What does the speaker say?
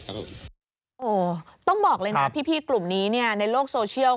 ต้องบอกเลยนะพี่กลุ่มนี้ในโลกโซเชียล